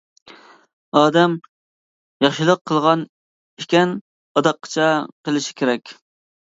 ئادەم ياخشىلىق قىلغان ئىكەن ئاداققىچە قىلىشى كېرەك.